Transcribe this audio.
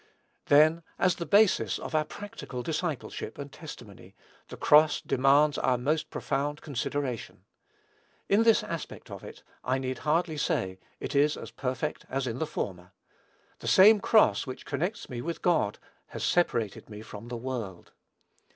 Then, as the basis of our practical discipleship and testimony, the cross demands our most profound consideration. In this aspect of it, I need hardly say, it is as perfect as in the former. The same cross which connects me with God has separated me from the world.